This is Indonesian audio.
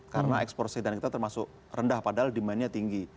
karena ekspor sedan kita termasuk rendah padahal demandnya tinggi